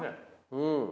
うん。